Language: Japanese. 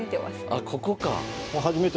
あここか。